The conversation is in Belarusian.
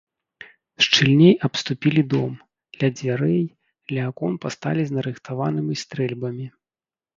Шчыльней абступілі дом, ля дзвярэй, ля акон пасталі з нарыхтаванымі стрэльбамі.